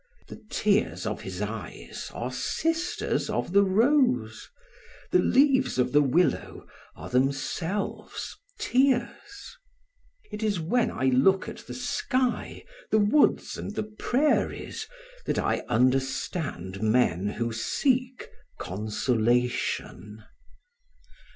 The tears of his eyes are sisters of the rose; the leaves of the willow are themselves tears. It is when I look at the sky, the woods and the prairies, that I understand men who seek consolation.